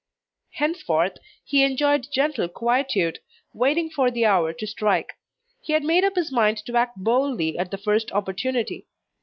Henceforth he enjoyed gentle quietude, waiting for the hour to strike. He had made up his mind to act boldly at the first opportunity.